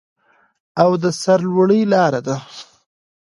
او د سرلوړۍ لاره ده.